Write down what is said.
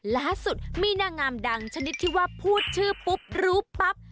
ล่าสุดมีนางงามดังชนิดที่ว่าพูดชื่อปุ๊บรู้ปั๊บ